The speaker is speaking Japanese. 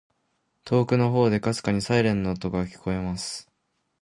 •遠くの方で、微かにサイレンの音が聞こえます。